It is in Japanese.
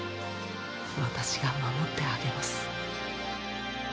私が守ってあげます。